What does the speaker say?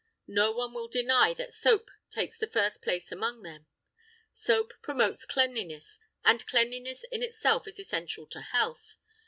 No one will deny that soap takes the first place among them. Soap promotes cleanliness, and cleanliness in itself is essential to health.